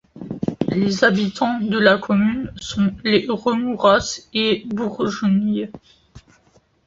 Les habitants de la commune sont les Remouras et Bougeonniers.